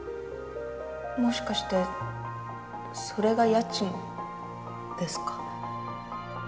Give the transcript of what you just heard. もしかしてそれが家賃ですか？